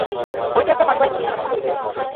ঐ যে একটা পারিবারিক অনুষ্ঠানে পরিচয় হয়েছিল।